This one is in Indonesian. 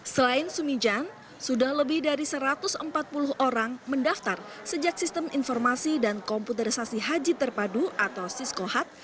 selain sumijan sudah lebih dari satu ratus empat puluh orang mendaftar sejak sistem informasi dan komputerisasi haji terpadu atau siskohat